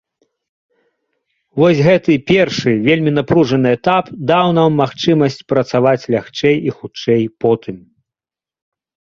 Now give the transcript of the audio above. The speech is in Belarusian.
Вось гэты першы, вельмі напружаны этап даў нам магчымасць працаваць лягчэй і хутчэй потым.